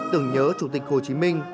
tưởng nhớ chủ tịch hồ chí minh